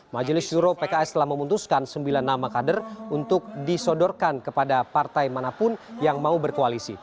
majelis juro pks telah memutuskan sembilan nama kader untuk disodorkan kepada partai manapun yang mau berkoalisi